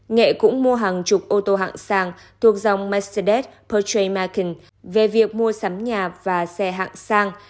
nghệ cũng mua hàng chục ô tô hạng xăng thuộc dòng mercedes benz pertramarkin về việc mua sắm nhà và xe hạng xăng